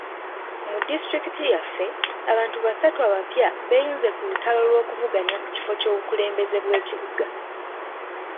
Mu disitulikiti yaffe, abantu basatu abapya beeyunze ku lutalo lw'okuvuganya ku kifo ky'obukulembeze bw'ekibuga.